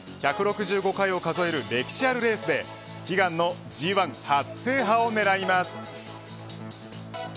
１６５回を数える歴史あるレースで悲願のＧ１初制覇を狙います。